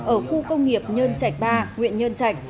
ở khu công nghiệp nhơn chạch ba huyện nhơn chạch